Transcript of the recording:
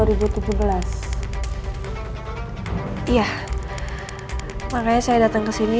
iya makanya saya datang ke sini